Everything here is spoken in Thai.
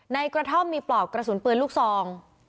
ในกระท่อมมีปลอกกระสุนปืนลูกซอง